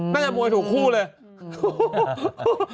จะมวยถูกคู่เลย